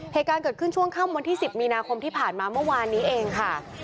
เหตุการณ์เกิดขึ้นช่วงค่ำวันที่๑๐มีนาคมที่ผ่านมาเมื่อวานนี้เองค่ะ